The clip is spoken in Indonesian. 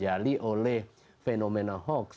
yang dijejali oleh fenomena hoax